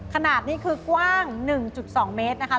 ขนาดนี้คือกว้าง๑๒เมตรนะคะ